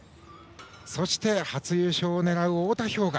そして初優勝を狙う太田彪雅。